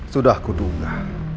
sudah aku dunga